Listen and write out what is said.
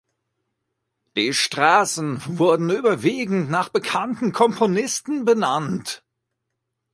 Die Straßen wurden überwiegend nach bekannten Komponisten benannt.